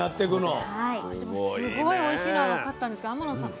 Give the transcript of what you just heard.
でもすごいおいしいのは分かったんですが天野さん